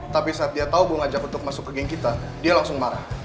tapi saat dia tahu bu ngajak untuk masuk ke geng kita dia langsung marah